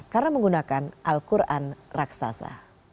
karena menggunakan al quran raksasa